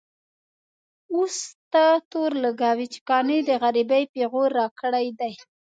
اوس ته تور لګوې چې قانع د غريبۍ پېغور راکړی دی.